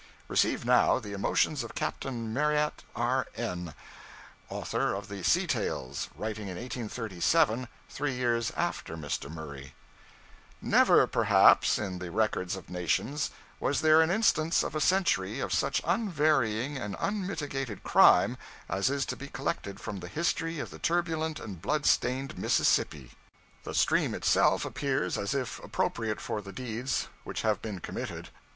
Receive, now, the emotions of Captain Marryat, R.N. author of the sea tales, writing in 1837, three years after Mr. Murray 'Never, perhaps, in the records of nations, was there an instance of a century of such unvarying and unmitigated crime as is to be collected from the history of the turbulent and blood stained Mississippi. The stream itself appears as if appropriate for the deeds which have been committed.